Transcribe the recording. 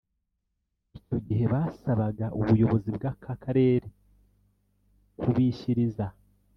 Icyo gihe basabaga ubuyobozi bw’ aka karere kubishyiriza